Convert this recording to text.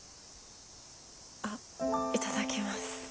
あっいただきます。